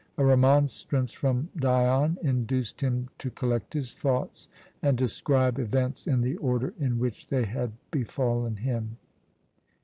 A remonstrance from Dion induced him to collect his thoughts and describe events in the order in which they had befallen him.